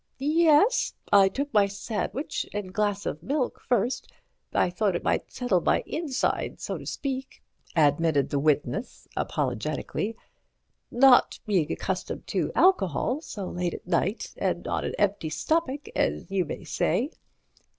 "Yes, I took my sandwich and glass of milk first. I thought it might settle my inside, so to speak," added the witness, apologetically, "not being accustomed to alcohol so late at night and on an empty stomach, as you may say."